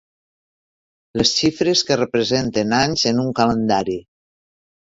Les xifres que representen anys en un calendari.